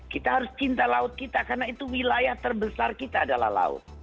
kita harus cinta laut kita karena itu wilayah terbesar kita adalah laut